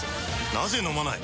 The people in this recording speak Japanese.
なぜ飲まない？